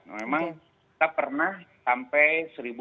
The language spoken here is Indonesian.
memang kita pernah sampai seribu delapan ratus